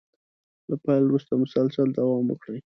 له پيل وروسته مسلسل دوام وکړي.